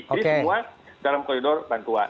jadi semua dalam kolidor bantuan